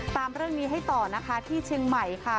ตามเรื่องนี้ให้ต่อนะคะที่เชียงใหม่ค่ะ